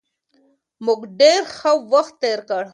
موږ ډېر ښه وخت تېر کړ.